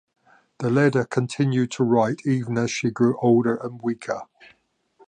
Deledda continued to write even as she grew older and weaker.